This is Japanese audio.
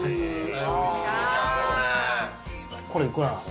これ、いくらなの？